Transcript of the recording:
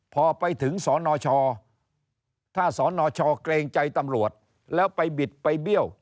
พอไปถึงสนชถ้าสนชเกรงใจตำรวจแล้วไปบิดไปเบี้ยว